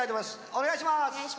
お願いします。